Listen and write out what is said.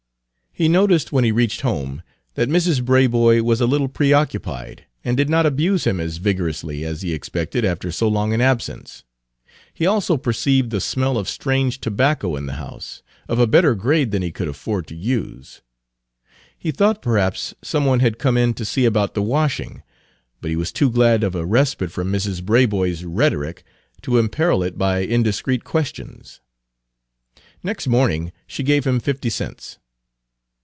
He noticed, when he reached home, that Mrs. Braboy was a little preoccupied, and did not abuse him as vigorously as he expected after so long an absence. He also perceived the smell of strange tobacco in the house, of a better grade than he could afford to use. He thought perhaps some one had come in to see about the washing; but he was too glad of a respite from Mrs. Braboy's rhetoric to imperil it by indiscreet questions. Next morning she gave him fifty cents.